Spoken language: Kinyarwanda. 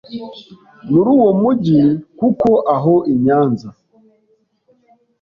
muri uwo mujyi. Kuko aho i Nyanza